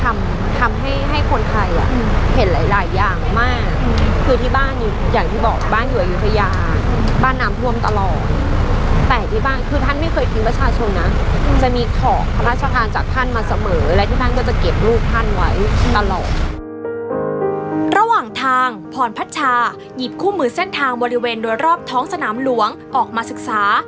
ระหว่างทางพรพัชชายหยิบคู่มือเส้นทางบริเวณโดยรอบท้องสนามหลวงออกมาศึกษา